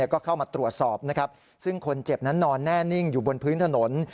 ก็เข้ามาตรวจสอบนะครับซึ่งคนเจ็บนั้นนอนแน่นิ่งอยู่บนพื้นถนน